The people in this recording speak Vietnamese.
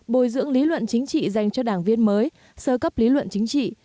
bồi dưỡng lý luận chính trị dành cho đảng viên mới sơ cấp lý luận chính trị